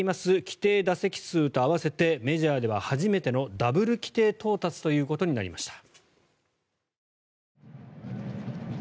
規定打席数と合わせてメジャーでは初めてのダブル規定到達ということになりました。